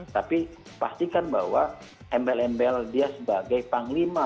tapi pastikan bahwa embel embel dia sebagai panglima